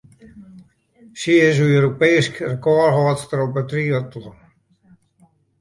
Sy is Europeesk rekôrhâldster op de triatlon.